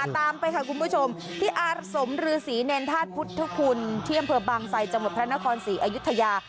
ตามไปค่ะคุณผู้ชมที่อารสมรือศรีแนนทาสพุทธคุณเที่ยมเผลอบางไซด์จังหวัดพระนครศรีอยุธยา